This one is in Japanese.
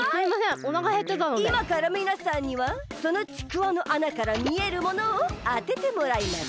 いまからみなさんにはそのちくわのあなからみえるものをあててもらいます。